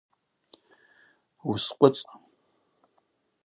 Уыскъвыцӏ!